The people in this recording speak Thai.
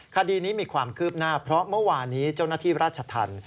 คดีนี้มีความคืบหน้าเพราะเมื่อวานนี้เจ้าหน้าที่ราชธรรม